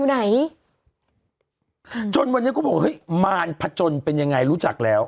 ไหนจนวันนี้เขาบอกเฮ้ยมารพจนเป็นยังไงรู้จักแล้ว